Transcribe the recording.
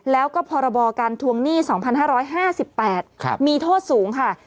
แล้วก็พรบการทวงหนี้๒๕๕๘มีโทษสูงค่ะ